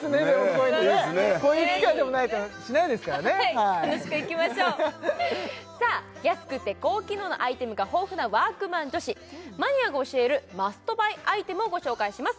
こういうのねこういう機会でもないとしないですからね楽しくいきましょうさあ安くて高機能なアイテムが豊富な＃ワークマン女子マニアが教えるマストバイアイテムをご紹介します